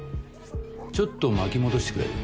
ちょっと巻き戻してくれる？